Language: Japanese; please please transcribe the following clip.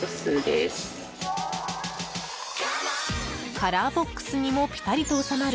カラーボックスにもピタリと収まる